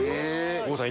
郷さん